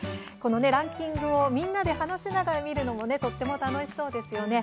ランキングを見てみんなで話しながら見るのがとっても楽しそうですね。